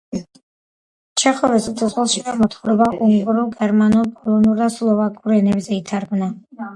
ჩეხოვის სიცოცხლეშივე მოთხრობა უნგრულ, გერმანულ, პოლონურ და სლოვაკურ ენებზე ითარგმნა.